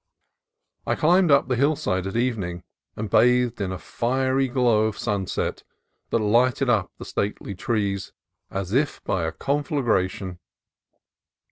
I climbed up the hillside at evening and bathed in a fiery glow of sunset that lighted up the stately trees as if by a conflagration.